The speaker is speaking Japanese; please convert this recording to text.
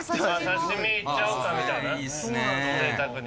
刺身いっちゃおうかみたいなぜいたくに。